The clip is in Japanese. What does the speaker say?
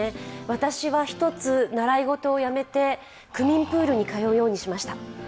私は１つ、習い事を辞めて、区民プールに通うようにしました。